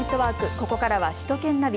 ここからは、首都圏ナビ。